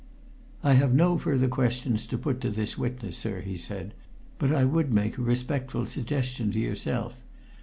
"I have no further questions to put to this witness, sir," he said, "but I would make a respectful suggestion to yourself.